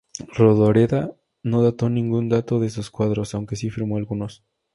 Rodoreda no dató ninguno de sus cuadros, aunque sí firmó algunos.